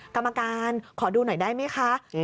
กรรมการขอดูหน่อยได้ไหมคะ